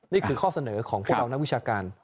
นี่คือข้อเสนอของพวกเรานักวิชาการ